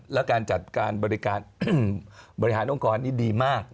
แล้วการจัดการบริการบริหารองค์กรนี่ดีมาก